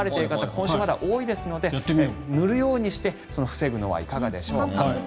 今週、まだ多いですので塗るようにして防ぐのはいかがでしょうか。